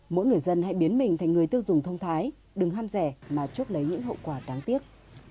mỗi người dân hãy biến mình thành người tiêu dùng thông thái đừng ham rẻ mà chốt lấy những hậu quả đáng tiếc